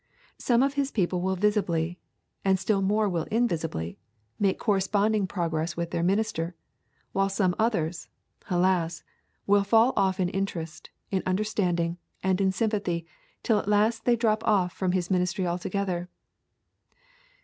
Some of his people will visibly, and still more will invisibly, make corresponding progress with their minister; while some others, alas! will fall off in interest, in understanding, and in sympathy till at last they drop off from his ministry altogether.